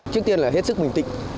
trước tiên là hết sức bình tĩnh